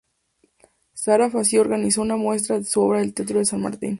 Sara Facio organiza una muestra de su obra en el Teatro San Martín.